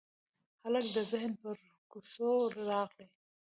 هلک د ذهن پر کوڅو راغلی